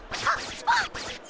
スポン！